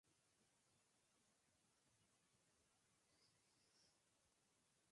Mediterráneo, hacia el norte hasta Bulgaria.